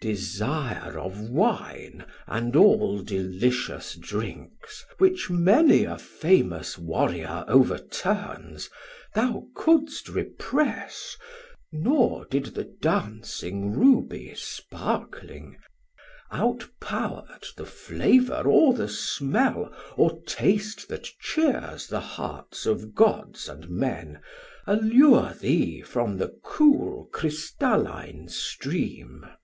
540 Chor. Desire of wine and all delicious drinks, Which many a famous Warriour overturns, Thou couldst repress, nor did the dancing Rubie Sparkling; out pow'rd, the flavor, or the smell, Or taste that cheers the heart of Gods and men, Allure thee from the cool Crystalline stream. Sam.